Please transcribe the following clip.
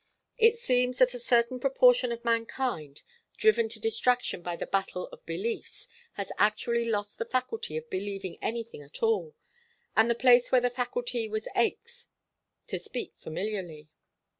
It seems that a certain proportion of mankind, driven to distraction by the battle of beliefs, has actually lost the faculty of believing anything at all, and the place where the faculty was aches, to speak familiarly.